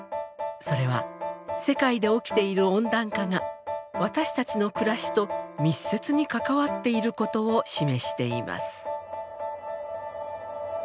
それは世界で起きている温暖化が私たちの暮らしと密接に関わっていることを示しています。